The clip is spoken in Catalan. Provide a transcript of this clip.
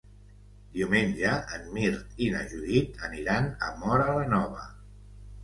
Diumenge en Mirt i na Judit aniran a Móra la Nova.